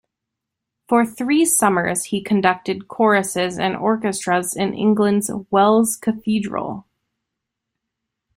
For three summers he conducted choruses and orchestras in England's Wells Cathedral.